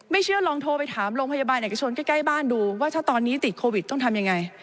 เชื่อลองโทรไปถามโรงพยาบาลเอกชนใกล้บ้านดูว่าถ้าตอนนี้ติดโควิดต้องทำยังไง